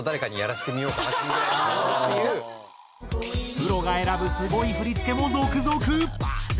プロが選ぶすごい振り付けも続々！